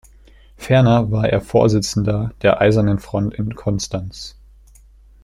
Ferner war er Vorsitzender der Eisernen Front in Konstanz.